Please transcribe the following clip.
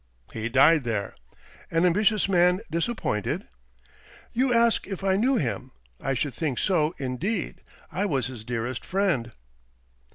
"He died there." "An ambitious man disappointed?" "You ask if I knew him? I should think so indeed. I was his dearest friend."